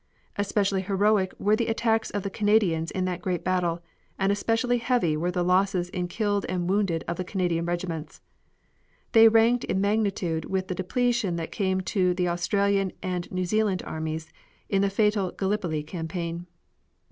Especially heroic were the attacks of the Canadians in that great battle and especially heavy were the losses in killed and wounded of the Canadian regiments. They ranked in magnitude with the depletion that came to the Australian and New Zealand armies in the fatal Gallipoli campaign.